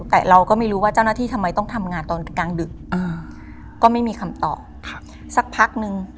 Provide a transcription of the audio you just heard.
แต่เราก็ไม่รู้ว่าเจ้าหน้าที่ทำไมต้องทำงานตอนกลางดึกก็ไม่มีคำตอบสักพักนึง